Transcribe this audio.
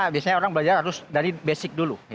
biasanya orang belajar harus dari basic dulu